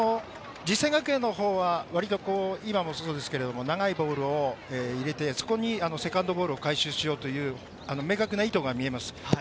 実践学園のほうは割と今もそうですけれど、長いボールを入れて、そこにセカンドボールを回収しようという明確な意図が見えます。